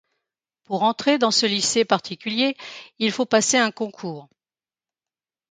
Pour entrer dans ce lycée particulier, il faut passer un concours.